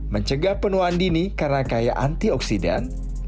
mencegah penuhan dini karena kaya antioksidan